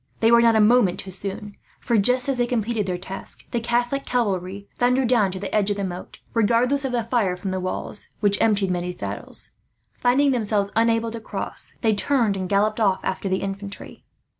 They were not a moment too soon for, just as they completed their task, the Catholic cavalry thundered down to the edge of the moat; regardless of the fire from the walls, which emptied many saddles. Finding themselves unable to cross, they turned and galloped off after the infantry.